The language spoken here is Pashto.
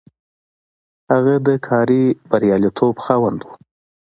هغه د کاري برياليتوب خاوند و.